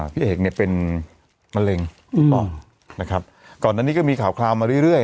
พี่เอกเนี่ยเป็นมะเร็งนะครับก่อนอันนี้ก็มีข่าวคราวมาเรื่อย